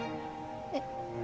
えっ？